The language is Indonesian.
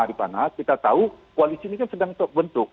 di mana kita tahu kualisimu kan sedang terbentuk